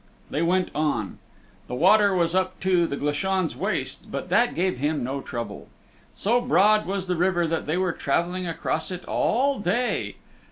They went on. The water was up to the Glashan's waist but that gave him no trouble. So broad was the river that they were traveling across it all day.